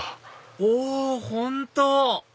お本当！